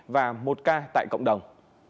và một ca tại cộng đồng